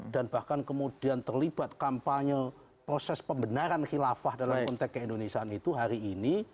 dan bahkan kemudian terlibat kampanye proses pembenaran khilafah dalam konteks keindonesian itu hari ini